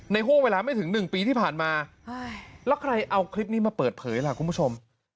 ห่วงเวลาไม่ถึง๑ปีที่ผ่านมาแล้วใครเอาคลิปนี้มาเปิดเผยล่ะคุณผู้ชม